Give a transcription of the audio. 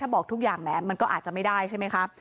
บอกทุกอย่างแหมมันก็อาจจะไม่ได้ใช่ไหมคะ